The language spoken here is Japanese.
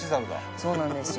そうなんですよ。